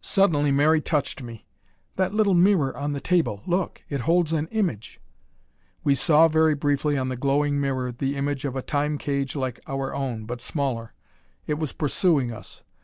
Suddenly, Mary touched me. "That little mirror on the table look! It holds an image!" We saw very briefly on the glowing mirror the image of a Time cage like our own, but smaller. It was pursuing us.